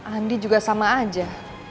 andi juga sama aja